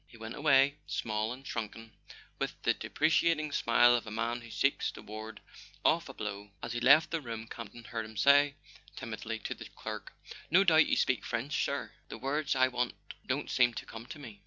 He went away, small and shrunken, w T ith the deprecating smile of a man who seeks to ward off a blow; as he left the room Campton heard him say [ 206 ] A SON AT THE FRONT timidly to the clerk: "No doubt you speak French, sir? The words I want don't seem to come to me."